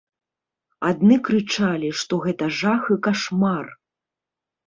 Адны крычалі, што гэта жах і кашмар.